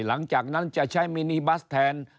หลังจากนั้นจะใช้มินิบัสแทน